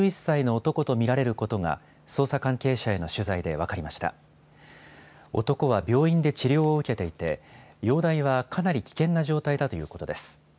男は病院で治療を受けていて、容体はかなり危険な状態だということです。